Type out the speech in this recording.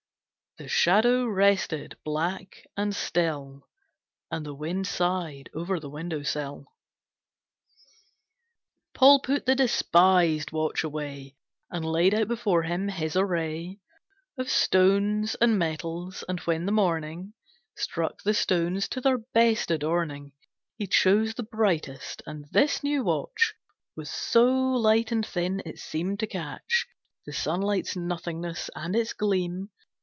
The Shadow rested black and still, And the wind sighed over the window sill. Paul put the despised watch away And laid out before him his array Of stones and metals, and when the morning Struck the stones to their best adorning, He chose the brightest, and this new watch Was so light and thin it seemed to catch The sunlight's nothingness, and its gleam.